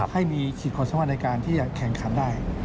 ให้มีขีดความสามารถในการที่จะแข่งขันได้